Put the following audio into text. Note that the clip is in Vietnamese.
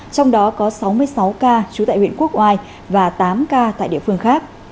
trong đó có sáu mươi sáu ca trú tại huyện quốc oai và tám ca tại địa phương khác